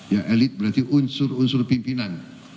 ya elit berarti unsur unsur pimpinan